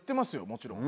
もちろん。